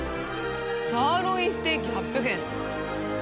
「サーロインステーキ８００円」。